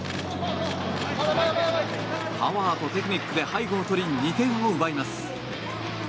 パワーとテクニックで背後を取り２点を奪います。